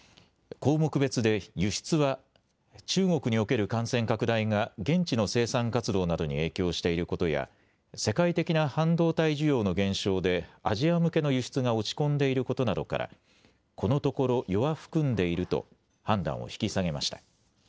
項目別で輸出は中国における感染拡大が現地の生産活動などに影響していることや、世界的な半導体需要の減少でアジア向けの輸出が落ち込んでいることなどから、このところ弱含んでいると判断を引き下げました。